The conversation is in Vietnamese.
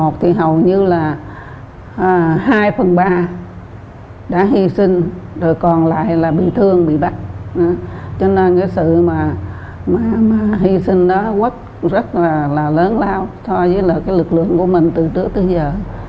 thương bị bắt cho nên cái sự mà hy sinh đó rất là lớn lao so với lực lượng của mình từ trước tới giờ